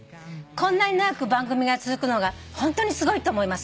「こんなに長く番組が続くのがホントにすごいと思います」